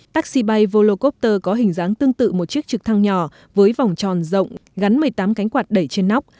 taxi bay volokover có hình dáng tương tự một chiếc trực thăng nhỏ với vòng tròn rộng gắn một mươi tám cánh quạt đẩy trên nóc